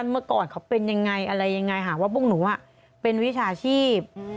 เมื่อก่อนเขาเป็นยังไงอะไรยังไงหาว่าพวกหนูเป็นวิชาชีพ